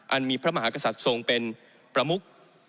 มีพระมหากษัตริย์ทรงเป็นประมุก